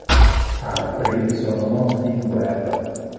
Altri sono morti in guerra.